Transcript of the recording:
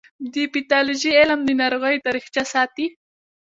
د پیتالوژي علم د ناروغیو تاریخچه ساتي.